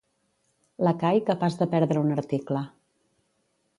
Lacai capaç de perdre un article.